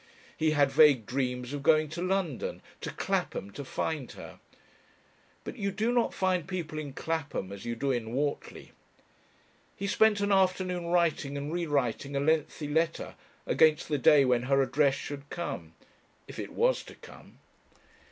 He had vague dreams of going to London, to Clapham to find her. But you do not find people in Clapham as you do in Whortley. He spent an afternoon writing and re writing a lengthy letter, against the day when her address should come. If it was to come.